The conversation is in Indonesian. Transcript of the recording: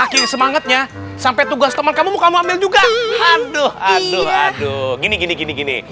pakai semangatnya sampai tugas teman kamu mau ambil juga aduh aduh aduh gini gini gini gini